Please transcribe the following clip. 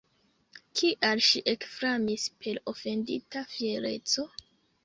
Kial ŝi ekflamis per ofendita fiereco?